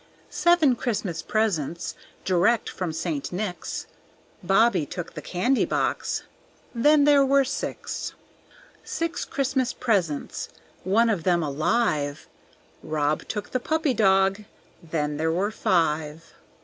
Seven Christmas presents direct from St. Nick's; Bobby took the candy box, then there were six. Six Christmas presents, one of them alive; Rob took the puppy dog, then there were five.